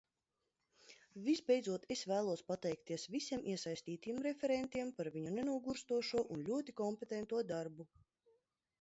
Visbeidzot es vēlos pateikties visiem iesaistītajiem referentiem par viņu nenogurstošo un ļoti kompetento darbu.